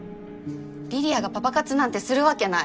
梨里杏がパパ活なんてするわけない。